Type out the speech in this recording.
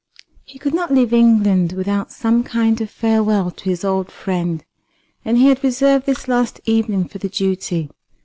He could not leave England without some kind of farewell to his old friend, and he had reserved this last evening for the duty.